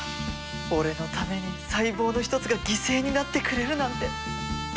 俺のために細胞の１つが犠牲になってくれるなんて。